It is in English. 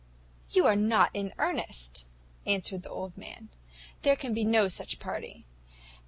"You are not in earnest!" answered the old man; "there can be no such party.